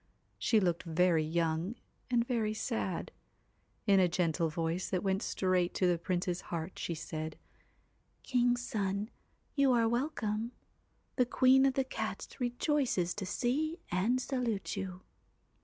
She looked very young and very sad. In a gentle voice that went straight to the Prince's heart she said 1 King's son, you are welcome. The Queen of the Cats rejoices to see and salute you.'